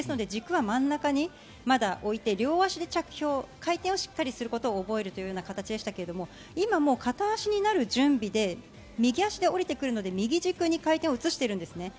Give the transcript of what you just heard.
軸は真ん中にまだ置いて両足で着氷、回転をしっかりすることを覚える形でしたが、今、片足になる準備で右足で下りてくるので右軸に回転を移しています。